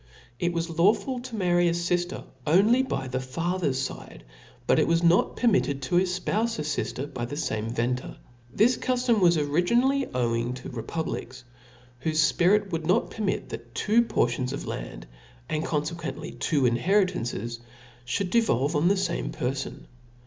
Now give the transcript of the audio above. It was lawful to marry a fifter only by the fa cer's fide, but it was not permitted to efpoufe a fifter by the fame venter f . This cuftom was ori ginally owing to republics, whofe fpirit would not permit, that two portions of land, and confequently two inheritances, fliould devolve on the fame per fon.